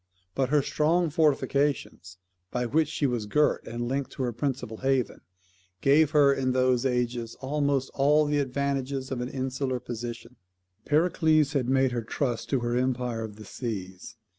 But her strong fortifications, by which she was girt and linked to her principal haven, gave her, in those ages, almost all the advantages of an insular position. Pericles had made her trust to her empire of the seas.